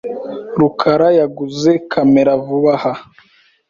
rukara yaguze kamera vuba aha .